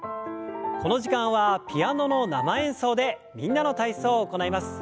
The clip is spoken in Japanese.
この時間はピアノの生演奏で「みんなの体操」を行います。